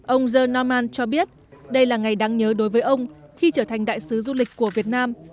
ông john norman cho biết đây là ngày đáng nhớ đối với ông khi trở thành đại sứ du lịch của việt nam